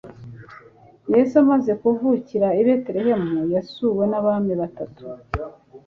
yesu amaze kuvukira i betelehemu yasuwe n'abami batatu